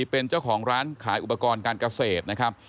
เป็นเจ้าของร้านขายอุปกรณ์การเกษตรนะครับ